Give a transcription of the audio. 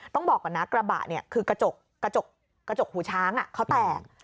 ต้องบอกก่อนนะกระบะเนี่ยคือกระจกหูช้างเขาแตก